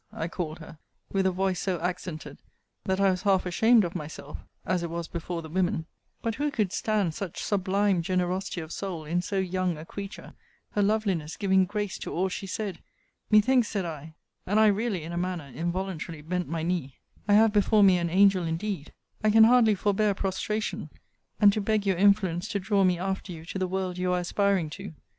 I called her, with a voice so accented, that I was half ashamed of myself, as it was before the women but who could stand such sublime generosity of soul in so young a creature, her loveliness giving grace to all she said? Methinks, said I, [and I really, in a manner, involuntarily bent my knee,] I have before me an angel indeed. I can hardly forbear prostration, and to beg your influence to draw me after you to the world you are aspiring to!